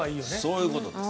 そういう事です。